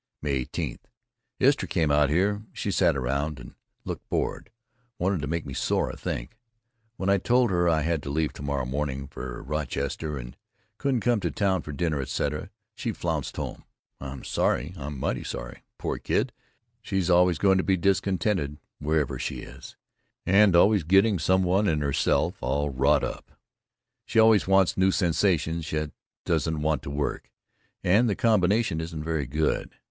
May 18: Istra out here, she sat around and looked bored, wanted to make me sore, I think. When I told her I had to leave to morrow morning for Rochester and couldn't come to town for dinner etc. she flounced home. I'm sorry, I'm mighty sorry; poor kid she's always going to be discontented wherever she is, and always getting some one and herself all wrought up. She always wants new sensations yet doesn't want to work, and the combination isn't very good.